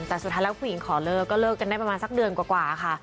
แต่สุดท้ายแล้วผู้หญิงขอเลิกก็เลิกกันได้ประมาณสักเดือนกว่าค่ะ